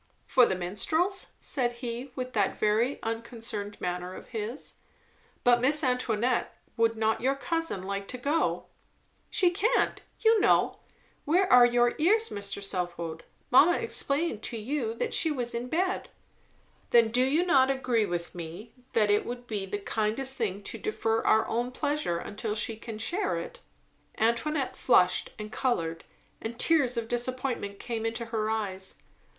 "For the Minstrels?" said he, with that very unconcerned manner of his. "But, Miss Antoinette, would not your cousin like to go?" "She can't, you know. Where are your ears, Mr. Southwode? Mamma explained to you that she was in bed." "Then do you not agree with me, that it would be the kindest thing to defer our own pleasure until she can share it?" Antoinette flushed and coloured, and tears of disappointment came into her eyes.